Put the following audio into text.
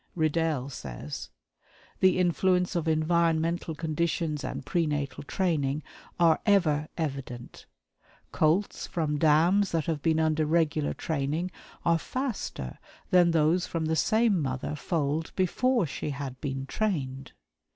Riddell says: "The influence of environmental conditions and pre natal training are ever evident. Colts from dams that have been under regular training are faster than those from the same mother foaled before she had been trained.